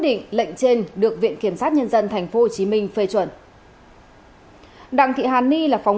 truyện trên được viện kiểm sát nhân dân thành phố hồ chí minh phê chuẩn đặng thị hàn ni là phóng